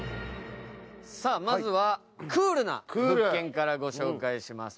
まずはクールな物件からご紹介します。